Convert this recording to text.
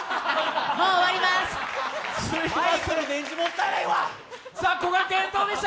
もう終わります。